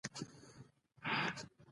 لمر رڼا راوړي.